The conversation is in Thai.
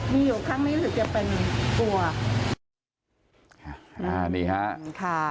มีอยู่ข้างนี้รู้สึกจะเป็นตัว